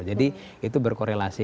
jadi itu berkorelasi